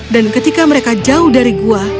dan ketika mereka jauh dari gua